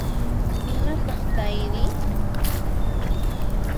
Imataq kayri?